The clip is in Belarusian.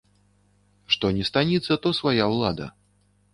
Што ні станіца, то свая ўлада.